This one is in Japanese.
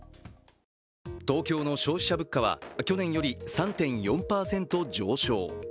東京の消費者物価は去年より３．４％上昇。